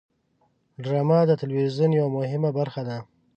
ډرامه د تلویزیون یوه مهمه برخه ده